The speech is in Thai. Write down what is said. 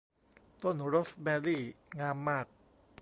ต้นโรสแมรี่งามมาก